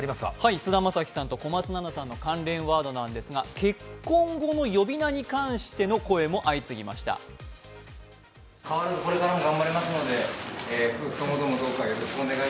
菅田将暉さんと小松菜奈さんの関連ワードなんですが、結婚後の呼び名に関しても話題が集まりました。